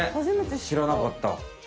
しらなかった。